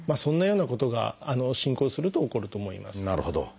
なるほど。